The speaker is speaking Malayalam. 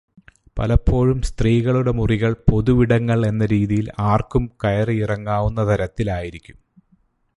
പലപ്പോഴും സ്ത്രീകളുടെ മുറികൾ പൊതുവിടങ്ങൾ എന്ന രീതിയിൽ ആർക്കും കയറിയിറങ്ങാവുന്ന തരത്തിലായിരിക്കും.